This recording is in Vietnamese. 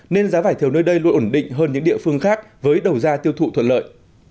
nên giá vải thiều nơi đây luôn ổn định hơn những địa phương khác với đầu ra tiêu thụ thuận lợi